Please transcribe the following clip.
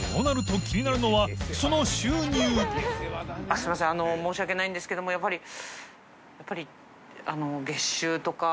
すいません申し訳ないんですけどもやっぱり大島）